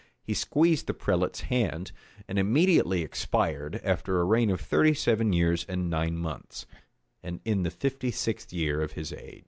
He squeezed the prelate's hand, and immediately expired, after a reign of thirty seven years and nine months; and in the fifty sixth year of his age.